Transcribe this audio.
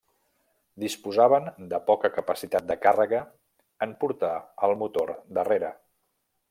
Disposaven de poca capacitat de càrrega en portar el motor darrere.